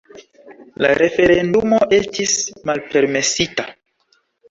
La referendumo estis malpermesita.